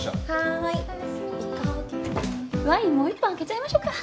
ワインもう一本開けちゃいましょうか。